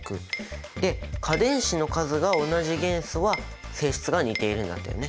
で価電子の数が同じ元素は性質が似ているんだったよね。